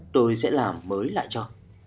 tôi sẽ làm mới lại cho